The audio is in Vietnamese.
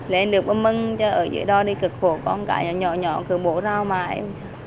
lên được bơ mừng cho ở giữa đo đi cực khổ con gái nhỏ nhỏ cứ bổ rao mãi